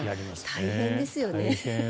大変ですよね。